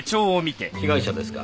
被害者ですが。